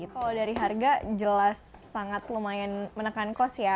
kalau dari harga jelas sangat lumayan menekan kos ya